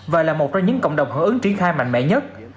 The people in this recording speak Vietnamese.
và là một trong những cộng đồng hưởng ứng triển khai mạnh mẽ nhất